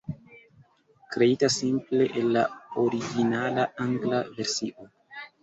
Kreita simple el la originala angla versio.